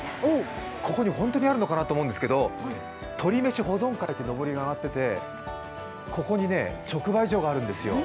ここに本当にあるのかなと思うんですけど、「鶏めし保存会」というのぼりが上がっていてここに直売所があるんですよ。